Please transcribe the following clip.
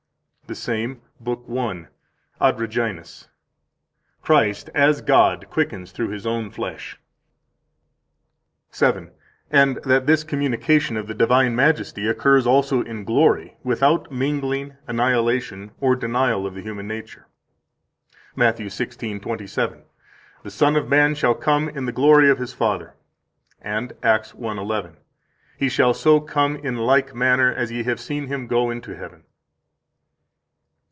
151 The same, lib. 1, Ad Reginas: "Christ as God quickens through His own flesh." 152 And that this communication of the divine majesty occurs also in glory, without mingling, annihilation, or denial of the human nature. 153 Matt. 16:27: The Son of Man shall come in the glory of His Father. 154 And Acts 1:11: He shall so come in like manner as ye have seen Him go into heaven.